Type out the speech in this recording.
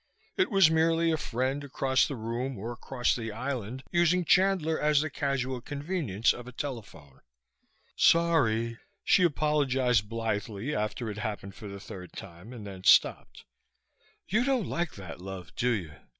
It was merely a friend, across the room or across the island, using Chandler as the casual convenience of a telephone. "Sorry," she apologized blithely after it happened for the third time, and then stopped. "You don't like that, love, do you?"